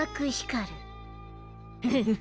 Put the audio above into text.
フフフ。